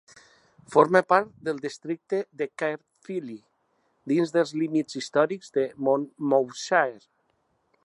Forma part del districte de Caerphilly dins dels límits històrics de Monmouthshire.